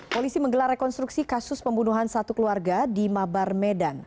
polisi menggelar rekonstruksi kasus pembunuhan satu keluarga di mabar medan